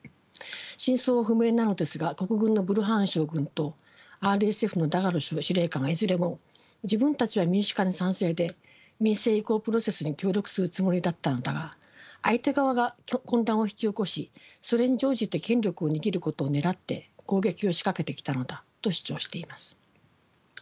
真相は不明なのですが国軍のブルハン将軍とＲＳＦのダガロ司令官はいずれも自分たちは民主化に賛成で民政移行プロセスに協力するつもりだったのだが相手側が混乱を引き起こしそれに乗じて権力を握ることをねらって攻撃を仕掛けてきたのだと主張しています。